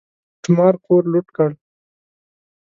لوټمار کور لوټ کړ.